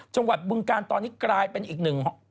บึงการตอนนี้กลายเป็นอีกหนึ่ง